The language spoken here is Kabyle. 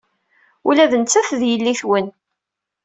Ula d nettat d yelli-twen.